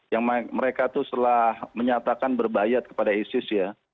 yang mereka itu setelah menyatakan berbayat kepada isis ya